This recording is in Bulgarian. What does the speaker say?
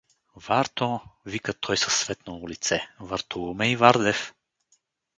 — Варто! — вика той със светнало лице. — Вартоломей Вардев!